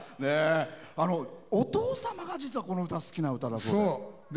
お父様が、実はこの歌好きだそうで。